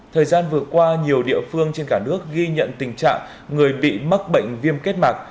thời gian vừa qua nhiều địa phương trên cả nước ghi nhận tình trạng người bị mắc bệnh viêm kết mạc